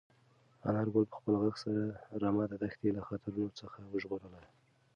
انارګل په خپل غږ سره رمه د دښتې له خطرونو څخه وژغورله.